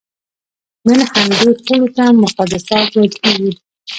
نن همدې پولو ته مقدسات ویل کېږي.